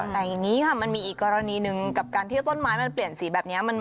แต่อย่างนี้ค่ะมันมีอีกกรณีหนึ่งกับการที่ต้นไม้มันเปลี่ยนสีแบบนี้